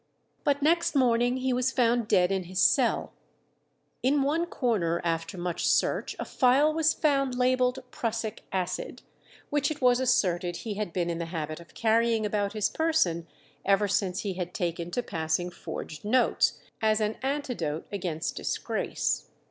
But next morning he was found dead in his cell. In one corner after much search a phial was found labelled "Prussic acid," which it was asserted he had been in the habit of carrying about his person ever since he had taken to passing forged notes, as an "antidote against disgrace."